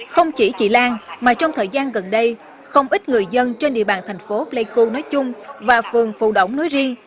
không chỉ chị lan mà trong thời gian gần đây không ít người dân trên địa bàn thành phố pleiku nói chung và phường phụ đỗng nói ri